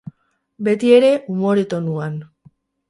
Beti ere, umore tonuan.